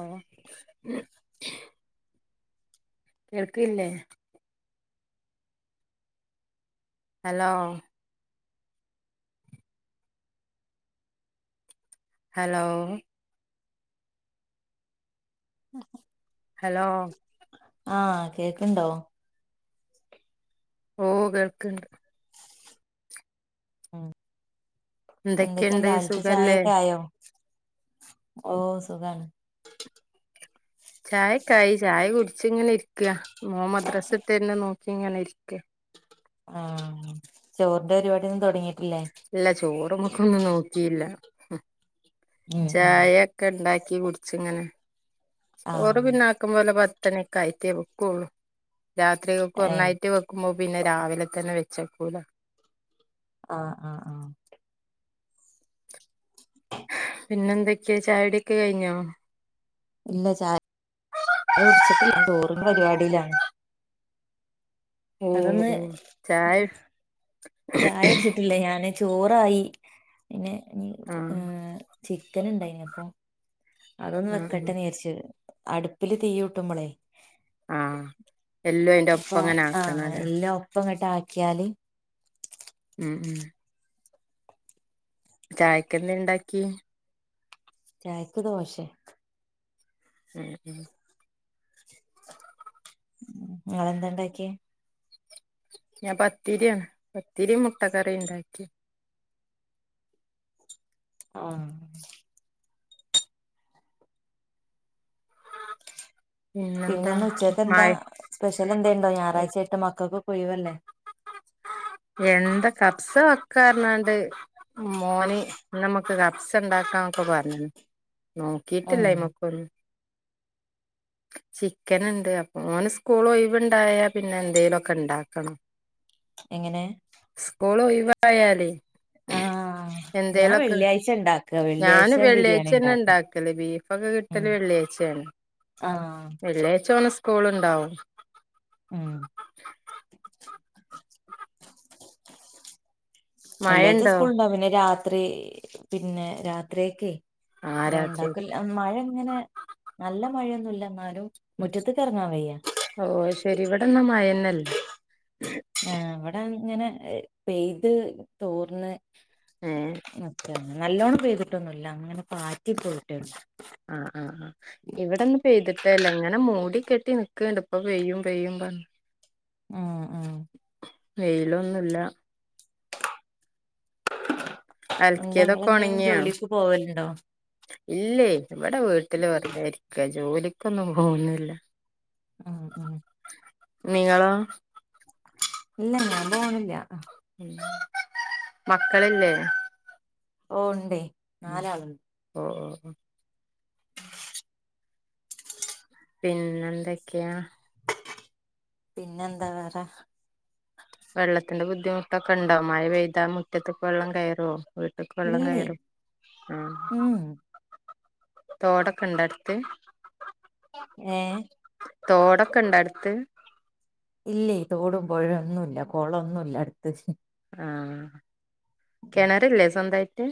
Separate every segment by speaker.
Speaker 1: ആഹ് കേൾക്കീല്ലേ hello hello
Speaker 2: [inaudible]
Speaker 1: hello
Speaker 2: ആഹ് കേക്ക്ണ്ടോ
Speaker 1: ഓ കേൾക്ക്ണ്ട്
Speaker 2: ഉം
Speaker 1: എന്തൊക്കെയുണ്ട്
Speaker 2: എന്തൊക്കെണ്ട് രാവിൽത്തെ
Speaker 1: സുഖല്ലേ
Speaker 2: ചായൊക്കായോ ഓ സുഖാണ്
Speaker 1: ചായോക്കായി ചായ കുടിച്ചീങ്ങനിര്ക്കാ മോ മദ്രസ്ട്ടര്ന് നോക്കിങ്ങനിര്ക്കാ
Speaker 2: ആഹ് ചോറിന്റെരുവാടിന്നും തൊട്ങ്ങിട്ടില്ലേ
Speaker 1: ല്ലാ ചോറുമ്മക്കൊന്നും നോക്കീല്ലാ ഉം
Speaker 2: ഉം ഉം
Speaker 1: ചായ ക്കെണ്ടാക്കി കുടിച്ച്ങ്ങനാ ചോറ്
Speaker 2: ആഹ്
Speaker 1: പിന്നാക്കമ്പോല പത്തണിക്കാ യ്റ്റേ ബെക്കുള്ളൂ രാത്രികക്കൊ
Speaker 2: ഏഹ്
Speaker 1: ന്നായ്റ്റേവെക്കോ മ്മു പിന്നെ രാവിലെ തന്നെ വെച്ചെക്കൂലേ
Speaker 2: ആഹ് ആഹ് ആഹ് [inaudible]
Speaker 1: പിന്നെന്തൊക്കെ ചായകുടിക്കെ കഴ്ഞ്ഞോ?
Speaker 2: ഇല്ല ചാ ല്ല ട്ച്ചിട്ടില്ല ചോറിന്ന പരിപാടീലാണ്
Speaker 1: ഓ
Speaker 2: അതൊന്ന്
Speaker 1: ഓ ചായ
Speaker 2: ചായകുട്ച്ചിട്ടില്ല ഞാന് ചോറായി പിന്നെ
Speaker 1: ആ
Speaker 2: ഉം ചിക്കന്ണ്ടായ്നപ്പൊ അതൊന്ന്
Speaker 1: ഉം ഉം
Speaker 2: വെക്കട്ടെ ന്ന്ജാര്ച്ച് അടുപ്പില് തീയൂട്ടുമ്പളെ
Speaker 1: ആഹ് എല്ലും അയിന്റെ
Speaker 2: അപ്പ
Speaker 1: ഒപ്പം അങ്ങനെ
Speaker 2: ആഹ്
Speaker 1: ആക്കണല്ലേ
Speaker 2: എല്ലൊപ്പങ്ങട്ടാക്കിയാല്
Speaker 1: ഉം ഉം ചായക്കെന്തേ ണ്ടാക്കി?
Speaker 2: ചായക്ക് ദോശെ
Speaker 1: [inaudible]
Speaker 2: ങ്ങളെന്തേ ണ്ടാക്കിയേ?
Speaker 1: ഞാ പത്തിരാണ് പത്തിരിം മുട്ട ക്കറീ ണ്ടാക്കി
Speaker 2: ആഹ്
Speaker 1: പിന്നെന്താ
Speaker 2: പിന്നെന്ന് ഉച്ചക്കെന്താ?
Speaker 1: മഴ
Speaker 2: സ്പെഷ്യലെ ന്തേണ്ടാ ഞായറാഴ്ചായ്ട്ട് മക്കക്കൊക്കൊഴിവല്ലേ?
Speaker 1: എന്താ കപ്സ വെക്കാർഞ്ഞാണ്ട് മോന് ന്നമ്മക്ക് കപ്സണ്ടാക്കാക്കെ പറഞ്ഞീന്
Speaker 2: ഉം
Speaker 1: നോക്കീട്ടില്ലയ്മ്ക്ക് [inaudible] ചിക്കന് ഉണ്ട് അപ്പ ഓന് സ്കൂൾ ഒയിവുണ്ടായാ പിന്നെ എന്തേലുമ ഒക്കെ ഉണ്ടാക്കണം
Speaker 2: എങ്ങനെ
Speaker 1: സ്കൂള് ഒഴിവായാലേ
Speaker 2: ആഹ് ഞാൻ വെള്ളിയാഴ്ച ണ്ടാ
Speaker 1: ഞാന് വെള്ളിയാഴ്ച്ചെന്നെ ഇണ്ടാക്കല് ബീഫൊക്കെ
Speaker 2: ഉം
Speaker 1: കിട്ടല് വെള്ളിയാഴ്ച്ചയാണ്
Speaker 2: ആഹ്
Speaker 1: വെള്ളിയാഴ്ച ഓന് സ്കൂള്ണ്ടാവും
Speaker 2: ഉം
Speaker 1: മഴ
Speaker 2: വെള്ളിയാഴ്ച്ച
Speaker 1: ഉണ്ടോ
Speaker 2: സ്കൂൾണ്ടാവും പിന്നെ രാത്രി പിന്നെ രാത്രിയേക്കെ
Speaker 1: ആ രാത്രി
Speaker 2: വേണ്ടാക്കൽ മഴ ഇങ്ങനെ നല്ല മഴയൊന്നുല്ലാ എന്നാലും മുറ്റത്ത്ക്ക് എറങ്ങാൻ വയ്യാ
Speaker 1: ഓഹ് ഓഹ് അയി ശരി ഇവിടെന്നാ മഴന്നെല്ലാ
Speaker 2: ആഹ് ഇവിടെ ഇങ്ങനെ പെയ്ത് തോർന്ന്
Speaker 1: ഏ
Speaker 2: നിക്ക് ക്കാണ് നല്ലോണം പെയ്തിട്ടൊന്നുല്ലാ അങ്ങനെ പാറ്റി പോയിട്ടേള്ളൂ
Speaker 1: ആഹ് ആഹ് ആഹ് ഇവിടെന്ന് പെയ്തിട്ടേല്ല ഇങ്ങനെ മൂടി കെട്ടി നിക്ക്ണ്ട് ഇപ്പം പെയ്യും പെയ്യും പറഞ്ഞ്
Speaker 2: ഉം ഉം
Speaker 1: വെയിലൊന്നുല്ലാ
Speaker 2: എന്താ
Speaker 1: അലക്കിയതൊക്കെ
Speaker 2: ഇങ്ങളെന്തേ
Speaker 1: ഉണങ്ങിയോ
Speaker 2: ജോലിക്ക് പോവല്ണ്ടോ
Speaker 1: ഇല്ലേ ഇവിടെ വീട്ടില് വെറുതെരി ക്കാ ജോലിക്കൊന്നും പോവുന്നില്ലാ
Speaker 2: ഉം ഉം
Speaker 1: നിങ്ങളോ?
Speaker 2: ഇല്ല ഞാൻ പോണില്ലാ
Speaker 1: ഉം മക്കളില്ലേ?
Speaker 2: ഓഹ് ഇണ്ടേ നാലാള്ണ്ട്
Speaker 1: ഓഹ് ഓഹ് ഓഹ് പിന്നെന്തൊക്കെയാ
Speaker 2: പിന്നെന്താ വേറെ
Speaker 1: വെള്ളത്തിന്റെ ബുദ്ധിമുട്ടൊക്കെണ്ടോ മഴ പെയ്താ മുറ്റത്ത്ക്ക് വെള്ളം കയറോ വീട്ട്ക്ക് വെള്ളം
Speaker 2: ഇല്ലേ
Speaker 1: കയറും
Speaker 2: ഉം
Speaker 1: തോടൊക്കെണ്ടോ അടുത്ത്
Speaker 2: ഏഹ്
Speaker 1: തോടൊക്കെണ്ടോ അടുത്ത്
Speaker 2: ഇല്ലേ തോടും പൊഴേം ഒന്നുല്ലാ കൊളൊന്നുല്ലാ അടുത്ത്
Speaker 1: ആഹ്
Speaker 2: ഉം.
Speaker 1: കെണറില്ലേ സ്വന്തായിറ്റ്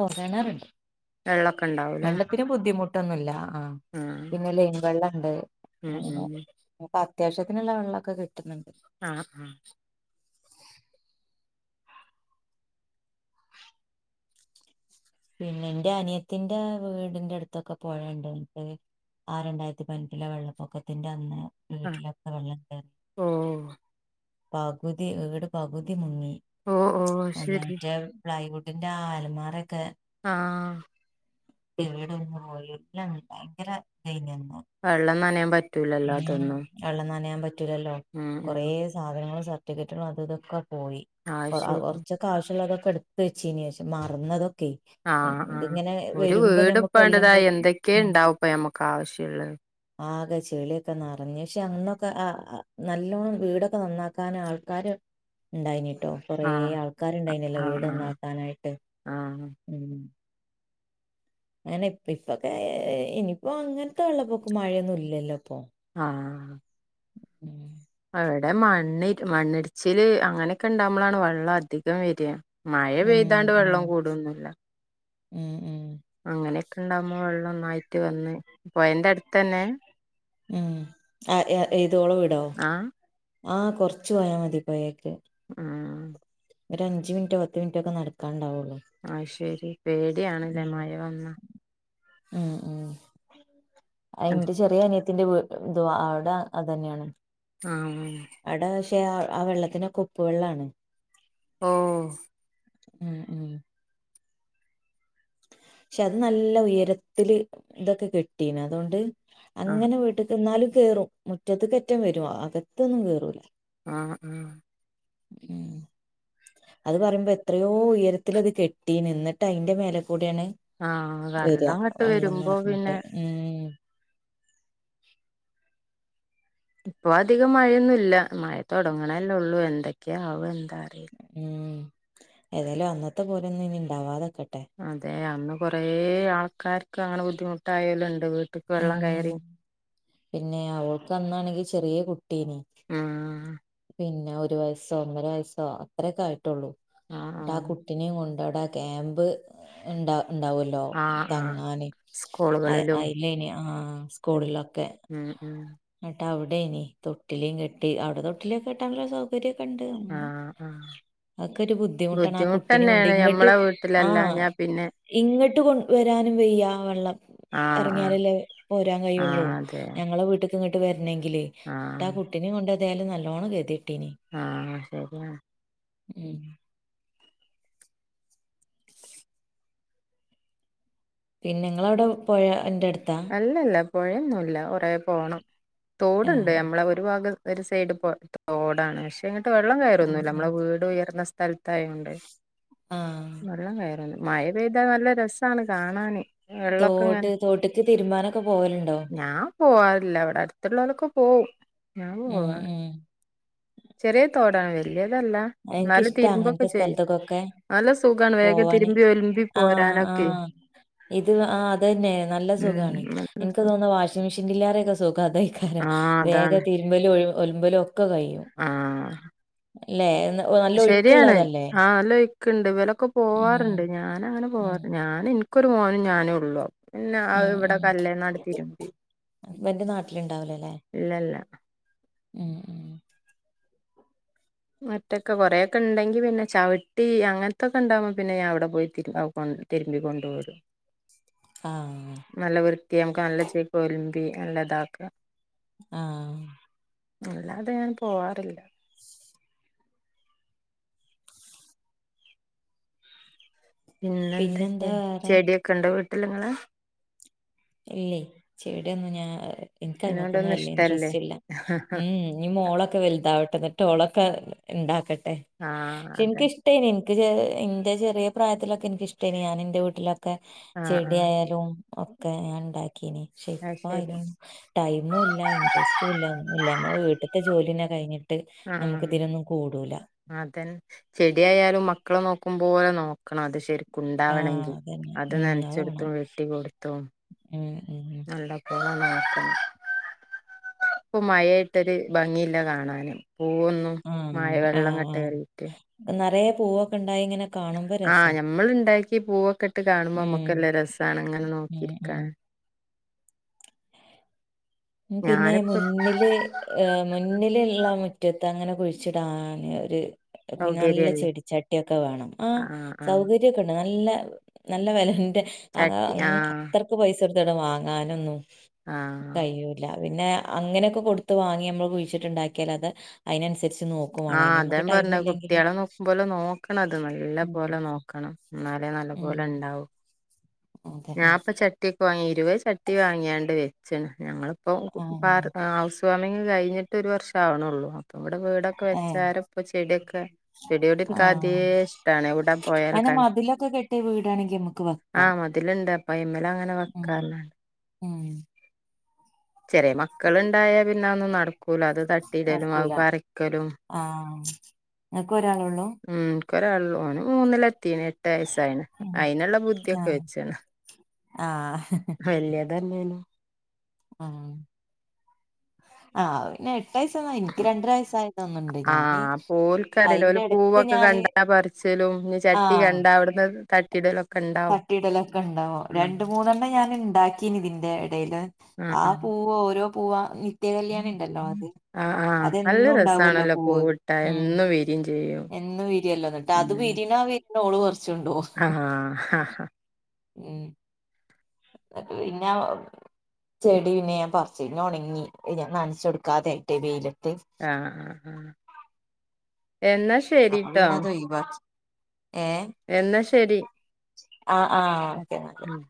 Speaker 2: ഓ
Speaker 1: വെള്ളക്കെണ്ടാവൂല്ലേ
Speaker 2: ത്തിന് ബുദ്ധിമുട്ടൊന്നുല്ലാ ആഹ് പിന്നെ ലൈൻ വെള്ളണ്ട്
Speaker 1: ഉം
Speaker 2: അങ്ങനെ
Speaker 1: ഉം
Speaker 2: അപ്പ അത്യാവശ്യത്തിനുള്ള വെള്ളൊക്കെ കിട്ടുന്ന്ണ്ട്
Speaker 1: ആഹ് ആഹ്
Speaker 2: പിന്നെ ഇന്റെ അനിയത്തിന്റെ വീടിന്റെ അടുത്തൊക്കെ പൊഴണ്ട് [unintelligible] ആഹ് രണ്ടായിരത്തി പതിനെട്ടിലെ വെള്ളപ്പൊക്കത്തിന്റെ അന്ന്
Speaker 1: ആഹ്
Speaker 2: വീട്ടിലൊക്കെ വെള്ളം കേറി
Speaker 1: ഓ
Speaker 2: പകുതി വീട് പകുതി മുങ്ങി
Speaker 1: ഓ ഓ
Speaker 2: അല്ല
Speaker 1: ശരി
Speaker 2: മറ്റേ ഫ്ലൈവുഡിന്റെ ആ അലമാരൊക്കെ
Speaker 1: ആഹ്
Speaker 2: [unintelligible] ഭയങ്കര ഇതേനി അന്ന്
Speaker 1: വെള്ളം നനയാൻ പറ്റ്
Speaker 2: ഉം വെള്ളം നനയാൻ പറ്റൂലല്ലോ
Speaker 1: ഉം ഉം
Speaker 2: കൊറെസ് സാധനങ്ങളും സർട്ടിഫിക്കറ്റുകളും അതു ഇതൊക്കെ പോയി
Speaker 1: ആഹ്
Speaker 2: കൊ അ
Speaker 1: ശരി
Speaker 2: കൊറച്ച ക്കാവശ്യള്ളതൊക്കെ എടുത്ത് വെച്ചീനി പഷെ മറന്നതൊക്കെ
Speaker 1: ആഹ് ആഹ്
Speaker 2: ഇതിങ്ങനെ
Speaker 1: ഒരു
Speaker 2: വരുമ്പോ ഞമ്മക്ക് എല്ലാം
Speaker 1: വീട്പ്പേണ്ടതായി
Speaker 2: കൂടി ഉം
Speaker 1: എന്തൊക്കെയേണ്ടാവുപ്പോ ഞമ്മക്ക് ആവശ്യള്ളെ
Speaker 2: ആകെ ച് ചെളിയൊക്കെ നറഞ്ഞ് പക്ഷെ അന്നൊക്കെ ആ നല്ലോണം വീടൊക്കെ നന്നാക്കാൻ ആൾക്കാര് ഇണ്ടായിനിട്ടോ കൊറെ
Speaker 1: ആഹ്
Speaker 2: ആൾക്കാര് ഇണ്ടായിന്യല്ലോ വീട്
Speaker 1: ആഹ് ആഹ്
Speaker 2: നന്നാക്കാനായിട്ട്
Speaker 1: ആഹ്
Speaker 2: ഉം അങ്ങനെ ഇപ്പ ഇപ്പൊക്കെ ഇനിയിപ്പോ അങ്ങൻത്ത വെള്ളപ്പൊക്കം മഴയൊന്നു ഇല്ലല്ലോ ഇപ്പൊ
Speaker 1: ആഹ്
Speaker 2: ഉം
Speaker 1: അവിടെ മണ്ണി മണ്ണിടിച്ചില് അങ്ങനെക്കെ ഇണ്ടാവുമ്പളാണ് വെള്ളം അധികം വര മഴ
Speaker 2: ഉം
Speaker 1: പെയ്താണ്ട് വെള്ളം
Speaker 2: ഉം
Speaker 1: കൂടൊന്നുല്ല
Speaker 2: ഉം ഉം
Speaker 1: അങ്ങനെക്കെ ഇണ്ടാവുമ്പോ വെള്ളം ഒന്നായിട്ട് വന്ന് പൊയന്റെ അട്ത്തന്നെ
Speaker 2: ഉം ആ എ എത് ഓള വീടോ
Speaker 1: ആഹ്
Speaker 2: ആ കൊർച്ച് പോയാ മതി പൊയേക്ക്
Speaker 1: ഉം
Speaker 2: ഒര് അഞ്ച് മിൻറ്റോ പത്ത് മിൻറ്റോ ഒക്ക നടക്കാണ്ടാവോള്ളു
Speaker 1: അത് ശരി പേടിയാണ് ലെ മഴ വന്ന
Speaker 2: ഉം ഉം അയിന്റെ ചെറ്യേ അനിയത്തിന്റെ വീ- ദുവാ അവ്ടെ അതന്നെണ്
Speaker 1: ആ ഉം
Speaker 2: അവ്ടെ പക്ഷേ ആ ആ വെള്ളത്തിനൊക്ക ഉപ്പ് വെള്ളാണ്
Speaker 1: ഓ
Speaker 2: ഉം ഉം പക്ഷെ അത് നല്ല ഉയരത്തില് ഇതൊക്കെ കെട്ടീന് അതൊണ്ട്
Speaker 1: ആഹ്
Speaker 2: അങ്ങനെ വീട്ട് ക്ക് ന്നാലും കേറും മുറ്റത്ത് കറ്റം വരും അകത്തൊന്നും കേറൂല
Speaker 1: ആ ആ
Speaker 2: ഉം അത് പറയുമ്പോ എത്രയോ ഉയരത്തില് അത് കെട്ടീന് ഇന്നട്ട് അയിന്റെ മേലെ കൂടെണ്
Speaker 1: ആഹ്
Speaker 2: വര
Speaker 1: വെള്ളം അങ്ങട്ട്
Speaker 2: വള്ളം
Speaker 1: വരുമ്പോ
Speaker 2: നർഞ്ട്ട്
Speaker 1: പിന്നെ
Speaker 2: ഉം
Speaker 1: ഇപ്പൊ അധികം മഴയൊന്നുല്ല മഴ തോട്ങ്ണല്ലേ ഒള്ളൂ എന്തേക്കെയാ ആവ എന്താ അറീ
Speaker 2: ഉം ഏതായാലും അന്നത്തെ പോലെ ഒന്നും ഇനി ഇണ്ടാവാതക്കട്ടെ
Speaker 1: അതെ അന്ന് കൊറേ ആൾക്കാര്ക്ക് അങ്ങനെ ബുദ്ധിമുട്ടായോല്ണ്ട് വീട്ട്ക്ക് വെള്ളം
Speaker 2: ഉം
Speaker 1: കയറിം
Speaker 2: പിന്നെ ഓൾക്ക് അന്നാണെങ്കി ചെറ്യേ കുട്ട്യേനി
Speaker 1: ആഹ്
Speaker 2: പിന്നെ ഒരു വയ സോ ഒന്നര വയസ്സോ അത്രെക്കെ ആയിട്ടോള്ളൂ
Speaker 1: ആഹ്
Speaker 2: ട്ടാ ആ കു ട്ടിനിം കൊണ്ട് അവ്ടെ ആ ക്യാമ്പ് ഇണ്ടാ ഇണ്ടാവോ ല്ലോ
Speaker 1: ആഹ് ആഹ് ആഹ്
Speaker 2: തങ്ങാന് അ
Speaker 1: സ്കൂളുകളിലും
Speaker 2: അയിലെനി ആ
Speaker 1: ഉം
Speaker 2: സ്കൂൾലൊക്കെ
Speaker 1: ഉം ഉം
Speaker 2: ന്നട്ട് അവ്ടെനി തൊട്ടിലിം കെട്ടി അവ്ട തൊട്ടിലിക്കെ കെട്ടാൻള്ള സൗ- കര്യക്കണ്ട് അങ്ങനെ
Speaker 1: ആഹ് ആഹ്
Speaker 2: അതൊക്കെരു ബുദ്ധിമുട്ടാണ് ആ കുട്ടിനിം കൊണ്ട്
Speaker 1: ബുദ്ധിമുട്ടന്നെയാണ്
Speaker 2: ഇങ്ങട്ട്
Speaker 1: ഞമ്മളെ
Speaker 2: ആ
Speaker 1: വീട്ടിലല്ലാഞ്ഞാ പിന്നെ
Speaker 2: ഇങ്ങട്ട് കൊ വരാനും വെയ്യ വെള്ളം
Speaker 1: ആഹ് ആഹ്
Speaker 2: എറങ്ങിയാലല്ലേ പോരാൻ കയ്യോള്ളൂ
Speaker 1: ആഹ്
Speaker 2: ഞ
Speaker 1: അതെ
Speaker 2: ഞങ്ങളെ വീട്ട്ക്ക് ഇങ്ങട്ട് വരനെങ്കില് ട്ടാ
Speaker 1: ആഹ്
Speaker 2: ആ കുട്ടിനിം കൊണ്ട് എതായാലും നല്ലോണം കെതിയട്ടിനി
Speaker 1: ആ ശര്യാണ്
Speaker 2: ഉം പിന്നെ ഇങ്ങള അവ്ടെ പൊഴ ൻ്റ അട്ത്താ
Speaker 1: അല്ലല്ല പൊഴയൊന്നുല്ല കോറെ പോണം
Speaker 2: ഏ
Speaker 1: തോട്ണ്ട് നമ്മള ഒരു ഭാഗം ഒരു സൈഡ് പോ തോടാണ് പക്ഷെ ഇങ്ങട്ട് വെള്ളം
Speaker 2: ഉം,
Speaker 1: കെറൊന്നുല്ല
Speaker 2: ഉം.
Speaker 1: നമ്മളെ വീട് ഉയർന്ന സ്ഥൽത്തായോണ്ട്
Speaker 2: ആഹ്
Speaker 1: വെള്ളം കയറൂല മഴ പെയ്താ നല്ല രസാണ് കാണാന് വെള്ളൊക്കെ ഇങ്ങനെ
Speaker 2: തോട് തോട്ട്ക്ക് തിരുമ്പാനൊക്കെ പോവലുണ്ടോ
Speaker 1: ഞാൻ പോവാറില്ല ഇവിടെ അടുത്ത്ള്ളോലൊക്കെ പോവും ഞാൻ
Speaker 2: ഉം
Speaker 1: പോവാറ്
Speaker 2: ഉം
Speaker 1: ചെറിയ തോടാണ് വല്യതല്ല
Speaker 2: എനിക്കിഷ്ടാ അങ്ങനത്തെ സ്ഥലത്ത്ക്കൊക്കെ
Speaker 1: നല്ല സുഖാണ് വേഗം തിരുമ്പി ഒലുമ്പി
Speaker 2: ആ
Speaker 1: പോരാനൊക്കെ
Speaker 2: ഇത് ആ അതന്നെ നല്ല
Speaker 1: ഉം
Speaker 2: സുഖാണ്
Speaker 1: നല്ല
Speaker 2: എനിക്ക്
Speaker 1: സു
Speaker 2: തോന്ന വാഷിംഗ് മെഷീൻ ലേറേതോ സുഖം അതായി ക്കരം
Speaker 1: ആഹ് അതാണ്
Speaker 2: വേഗം തിരുമ്പലും ഒഴിവ് ഒലുമ്പലും ഒക്കെ കയ്യും
Speaker 1: ആഹ്
Speaker 2: ലേ ഒന്ന്
Speaker 1: ശരിയാണ് ആലൊയ് ക്ക്ണ്ട് ഇവലൊക്ക പോവാറ്ണ്ട്
Speaker 2: ഉം
Speaker 1: ഞാനങ്ങന പോവാ
Speaker 2: ഉം
Speaker 1: ഞാന് എനിക്കൊരു മോനും ഞാനും ഉള്ളു ഇല്ല അത്
Speaker 2: ഉം
Speaker 1: ഇവടെ
Speaker 2: ഉം
Speaker 1: കല്ലേന്നാണ്ട് തിരുമ്പി
Speaker 2: ഹസ്ബൻഡ് നാട്ടിലുണ്ടാവൂലല്ലേ
Speaker 1: ഇല്ലല്ല
Speaker 2: ഉം ഉം
Speaker 1: മറ്റൊക്കെ കൊറേക്കെ ഉണ്ടെങ്കി പിന്നെ ചവിട്ടി അങ്ങനത്തൊക്ക ഇണ്ടാവുമ്പോ പിന്നെ ഞാൻ അവിടെ പോയി തിരു അത് കൊണ് തിരുമ്പിക്കൊണ്ടു വരും
Speaker 2: ആഹ്
Speaker 1: നല്ല വൃത്തി നമുക്ക് നല്ല ചേൽക്ക് ഒലുമ്പി നല്ലതാക്കാ
Speaker 2: ആഹ്
Speaker 1: അല്ലാതെ ഞാൻ പോവാറില്ല പിന്നെ
Speaker 2: പിന്നെന്താ
Speaker 1: എന്തൊക്കെ
Speaker 2: വേറെ
Speaker 1: ചെടിയൊക്കെ ഇണ്ടോ വീട്ടിലിങ്ങളേ
Speaker 2: ഇല്ലയ് ചെടി ഒന്നും ഞാ ഇൻക്ക് അയ്മക്കൊന്നും
Speaker 1: അതിനോടൊന്നും
Speaker 2: വലിയ
Speaker 1: ഇഷ്ടല്ലേ
Speaker 2: ഇന്ററസ്റ്റ്‌ ഇല്ല ഉം ഉം ഇനി മോളൊക്കെ വല്താവ ട്ടെ ഇന്ന്ട്ട് ഓളൊക്കെ ഇണ്ടാക്കട്ടെ
Speaker 1: ആഹ് അതെ
Speaker 2: ഇഷ്ട്ടേനി ഇൻക്ക് ച് ഇന്റെ ചെറിയ പ്രായത്തിലൊക്കെ എനിക്ക് ഇഷ്ടേനി ഞാൻ എന്റെ വീട്ടില ക്കെ
Speaker 1: ആഹ്
Speaker 2: ചെടി
Speaker 1: ആഹ്
Speaker 2: ആയാലും ഒക്കെ ഞാണ്ടാക്കീനി പക്ഷേ
Speaker 1: അത്
Speaker 2: ഇപ്പോ
Speaker 1: ശരി
Speaker 2: അയിനൊ ടൈമുല്ല ഇൻട്രസ്റ്റും ഇല്ല ഒന്നുംല്ല അമ്മളെ വീട്ടിത്തെ ജോലിയെന്നെ കഴിഞ്ഞി ട്ട് നമുക്ക് ഇതിനൊന്നും കൂടൂല
Speaker 1: അതെൻ ചെടി ആയാലും മക്കളെ നോക്കും പോലെ നോക്കണം അത് ശരി
Speaker 2: ആഹ്
Speaker 1: ക്കുണ്ടാവണെങ്കി
Speaker 2: അതന്നെ
Speaker 1: അത്
Speaker 2: ഉം വേണം
Speaker 1: നനച്ചൊടുത്തും വെട്ടി കൊടുത്തും
Speaker 2: ഉം ഉം
Speaker 1: നല്ല പോല നോക്കണം ഇപ്പോ മഴേയ്ട്ടൊരു ഭംഗില്ല കാണാനും പൂവൊന്നും മഴ വെള്ളം ഇങ്ങട്ടേറീറ്റ്
Speaker 2: നെറയേ പൂവൊക്കെ ഉണ്ടായിങ്ങനെ
Speaker 1: ആഹ് ഞമ്മള് ഇണ്ടാക്കി പൂവൊക്കെ ഇട്ട് കാണുമ്പോ
Speaker 2: ഉം
Speaker 1: നമ്മുക്കല്ല രസാണ് ഇങ്ങനെ
Speaker 2: ഉം ഉം
Speaker 1: നോക്കിയിരിക്കാന്
Speaker 2: ഉം പിന്നെ
Speaker 1: ഞാനിപ്പോ
Speaker 2: മുന്നില് ഏ മുന്നില് ഇള്ള മുറ്റത്ത് അങ്ങനെ കുഴിച്ചിടാന് ഒര് പിന്നെ നല്ല
Speaker 1: സൗകര്യല്ലേ
Speaker 2: ചെടിച്ചട്ടിയൊക്കെ വേണം ആഹ് സൗക ര്യക്കണ്ട് നല്ല നല്ല വെലന്റെ ആഹ് ങ്ങ
Speaker 1: ചട്ടി
Speaker 2: അങ്
Speaker 1: ആഹ്
Speaker 2: അത്ര ക്കു പൈസ കൊടുത്തട് വാങ്ങാൻ ഒന്നും
Speaker 1: ആഹ്
Speaker 2: കയ്യൂ ല്ല പിന്നെ അങ്ങനെയൊക്കെ കൊടുത്ത് വാങ്ങി ഞമ്മള് കുഴിച്ചിട്ട്ണ്ടാക്കിയാൽ അത് അയ്നനുസരിച്ച് നോ
Speaker 1: ആഹ് അതാണ് പറഞ്ഞത് കുട്ടിയേളെ നോക്കുമ്പോലെ നോക്കണം അത് നല്ല
Speaker 2: ഉം
Speaker 1: പോലെ നോക്കണം ഇന്നാലേ നല്ലപോലെ
Speaker 2: ഉം
Speaker 1: ഇണ്ടാവൂ
Speaker 2: അതെ
Speaker 1: ഞാൻ ഇപ്പ ചട്ടിയൊക്കെ വാങ്ങി ഇരുപത് ചട്ടി വാങ്ങിയാണ്ട് വെച്ചണ് ഞങ്ങളിപ്പോ
Speaker 2: ആ
Speaker 1: പാർതിട്ട് ഹൗസ് വാമിങ്ങ് കഴിഞ്ഞിട്ട് ഒരു വർഷം ആവ്ണൊള്ളൂ അപ്പോ വ്ടെ വീടൊക്കെ
Speaker 2: ഏ
Speaker 1: വെച്ചാര പ്പൊ ചെടി ഒക്കെ ചെടിയോട്ൻക്കാദ്യേ
Speaker 2: ആ
Speaker 1: ഷ്ടാണ് എവ്ട പോയാലും
Speaker 2: അങ്ങനെ
Speaker 1: കൺ
Speaker 2: മതിലൊക്കെ കെട്ടിയ വീടാണെങ്കി നമുക്ക്
Speaker 1: ആ
Speaker 2: വെക്കാം.
Speaker 1: മത് ഇതില്ണ്ട് അപ്പയ്മലങ്ങനെ
Speaker 2: ഉം
Speaker 1: വെക്കാർഞ്
Speaker 2: ഉം
Speaker 1: ചെറിയ മക്കള്ണ്ടായാ പിന്നെ അതൊന്നും നട് കൂല അത് തട്ടിടലും അത്
Speaker 2: നടക്കൂല.
Speaker 1: പറിക്കലും
Speaker 2: ആ ഇങ്ങക്ക് ഒരാളൊള്ളൂ?
Speaker 1: ഉം ക്കൊരാളുള്ളു ഓന് മൂന്നിലെത്തീന് എട്ട് വയസ്സായിണ് അയ്ന്ള്ള ബുദ്ധിയൊക്കെ വെച്ച്ണ്
Speaker 2: ആഹ്
Speaker 1: വല്യതന്നെനും
Speaker 2: ആ അത് പിന്നെ എട്ട് എട്ട് വയസൊന്ന് എനിക്ക് രണ്ടര വയസ്സായതൊന്ന് ണ്ട് ഞാന്
Speaker 1: ആഹ് അപ്പൊ
Speaker 2: അയ്ന്റെ എട്ത്ത് ഞാന്
Speaker 1: ച്ചലും പിന്നെ
Speaker 2: ആ
Speaker 1: ചട്ടി കണ്ടാ അവ്ട്ന്ന് തട്ടിടലും
Speaker 2: തട്ടിയിടലൊക്കെ ണ്ടാവോ രണ്ട് മൂന്നെണ്ണം ഞാന് ണ്ടാക്കീന് തിന്റെ എടയില് ആ
Speaker 1: ആഹ്
Speaker 2: പൂവ് ഓരോ പൂവാ ഞ്ഞിക് നിത്യ കല്യാണി ണ്ടല്ലോ അത്
Speaker 1: ആഹ് ആഹ് നല്ല
Speaker 2: അതെന്നും ഉണ്ടാവല്ലോ
Speaker 1: രസാണല്ലോ
Speaker 2: പൂവ്
Speaker 1: പൂവിട്ടാ
Speaker 2: ഉം
Speaker 1: എന്നും വിരിയും ചെയ്യും
Speaker 2: എന്നും വിരിയല്ലോ ന്നിട്ട് അത് വിരിണ വിരിണ ഓള് പർച്ചൊണ്ടോവും
Speaker 1: ആഹ്
Speaker 2: ഉം ഇന്നട്ട് പിന്നെ ചെടി പിന്നെ ഞാൻ പർച്ച് പിന്നെ ഒണങ്ങി ഞാൻ ന്നൻച്ചൊട്ക്കാതെ ആയിട്ടേയ് വെയിലത്ത്
Speaker 1: ആ ആ ആ എന്നാ ശരി
Speaker 2: അപ്പ പിന്നെ അത് ഒഴിവാക്കി ഏ
Speaker 1: എന്നാ ശരി
Speaker 2: ആ ആ ഓക്കെ ന്ന
Speaker 1: ഉം